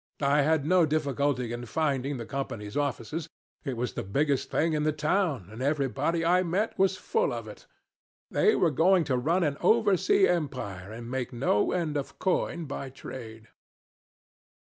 I had no difficulty in finding the Company's offices. It was the biggest thing in the town, and everybody I met was full of it. They were going to run an over sea empire, and make no end of coin by trade.